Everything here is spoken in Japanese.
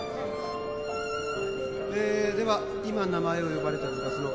えでは今名前を呼ばれた部活の活動は。